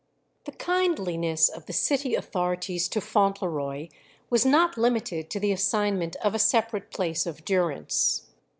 " The kindliness of the city authorities to Fauntleroy was not limited to the assignment of a separate place of durance.